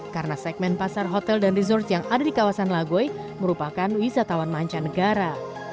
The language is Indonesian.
karena segmen pasar hotel dan resort yang ada di kawasan lagoy merupakan wisatawan mancanegara